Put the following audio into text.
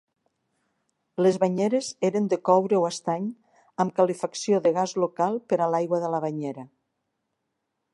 Les banyeres eren de coure o estany, amb calefacció de gas local per a l'aigua de la banyera.